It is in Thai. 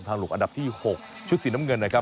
หลุกอันดับที่๖ชุดสีน้ำเงินนะครับ